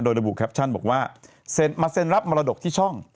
โดยระบุแคปชั่นบอกว่ามาเซ็นรับมรดกที่ช่อง